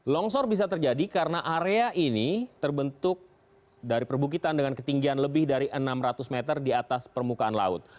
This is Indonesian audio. longsor bisa terjadi karena area ini terbentuk dari perbukitan dengan ketinggian lebih dari enam ratus meter di atas permukaan laut